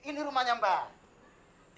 ini rumahnya mbah